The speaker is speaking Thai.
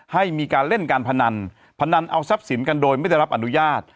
ให้มีการเล่นการพนันพนันเอาทรัพย์สินกันโดยไม่ได้รับอนุญาต